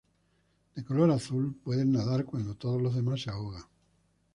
De color azul, pueden nadar cuando todos los demás se ahogan.